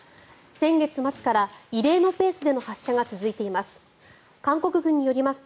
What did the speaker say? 先月末から異例のペースでの発射が続いています。